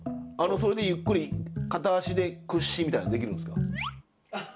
それでゆっくり片足で屈伸みたいのできるんですか？